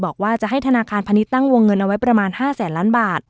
บอกว่าจะให้ธนาคารพาณิชย์ตั้งวงเงินเอาไว้ประมาณ๕แสนล้านบาท